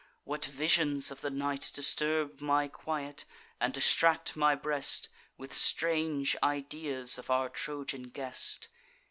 what visions of the night Disturb my quiet, and distract my breast With strange ideas of our Trojan guest!